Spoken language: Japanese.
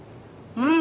うん！